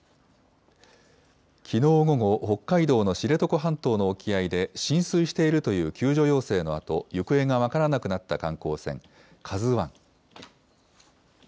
きのう午後、北海道の知床半島の沖合で浸水しているという救助要請のあと、行方が分からなくなった観光船、ＫＡＺＵわん。